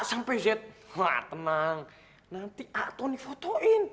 sampai zed wah tenang nanti kak tony fotoin